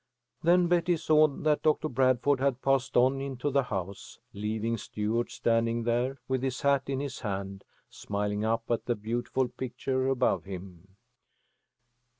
Then Betty saw that Doctor Bradford had passed on into the house, leaving Stuart standing there with his hat in his hand, smiling up at the beautiful picture above him.